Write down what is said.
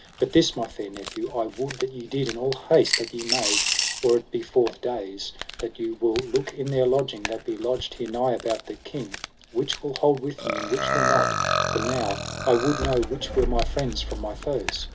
But this, my fair nephew, I would that ye did in all haste that ye may, or it be forth days, that ye will look in their lodging that be lodged here nigh about the king, which will hold with me, and which will not, for now I would know which were my friends from my foes.